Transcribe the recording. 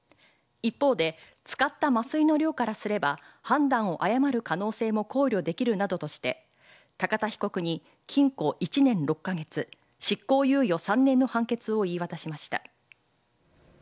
一方で使った麻酔の量からすれば判断を誤る可能性も考慮できるなどとして高田被告に禁錮１年６カ月執行猶予３年の判決を言い渡しました。